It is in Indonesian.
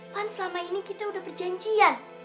kan selama ini kita udah perjanjian